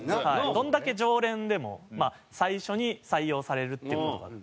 どんだけ常連でもまあ最初に採用されるっていう事があって。